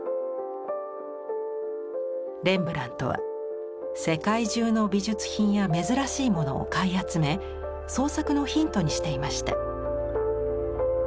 レンブラントは世界中の美術品や珍しいものを買い集め創作のヒントにしていました。